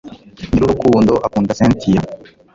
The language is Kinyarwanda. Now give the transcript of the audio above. niyurukundo akunda cyntia